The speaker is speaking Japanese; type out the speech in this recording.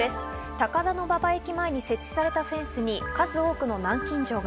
高田馬場駅前に設置されたフェンスに数多くの南京錠が。